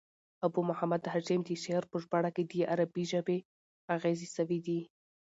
ابو محمد هاشم د شعر په ژباړه کښي د عربي ژبي اغېزې سوي دي.